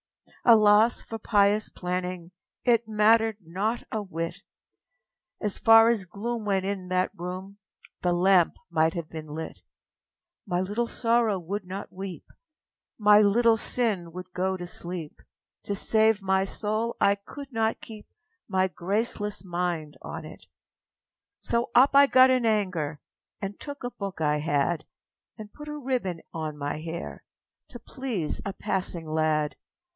â Alas for pious planning It mattered not a whit! As far as gloom went in that room, The lamp might have been lit! My Little Sorrow would not weep, My Little Sin would go to sleep To save my soul I could not keep My graceless mind on it! So up I got in anger, And took a book I had, And put a ribbon on my hair To please a passing lad.